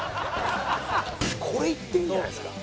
これいっていいんじゃないですか？